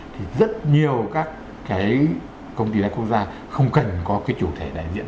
thì rất nhiều các cái công ty đa quốc gia không cần có cái chủ thể đại diện